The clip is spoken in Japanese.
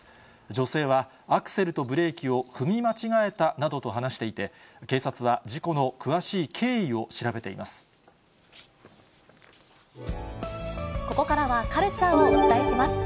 女性は、アクセルとブレーキを踏み間違えたなどと話していて、警察は、ここからはカルチャーをお伝えします。